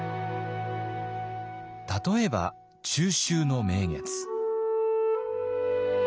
例えば中秋の名月。